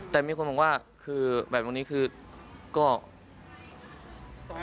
แต่มีคนบอกว่าแวดตรงนี้ก็เก่าแก่อยู่